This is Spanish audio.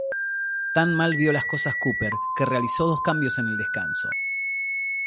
Tan mal vio las cosas Cúper que realizó dos cambios en el descanso.